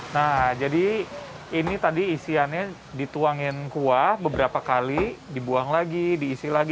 nah jadi ini tadi isiannya dituangin kuah beberapa kali dibuang lagi diisi lagi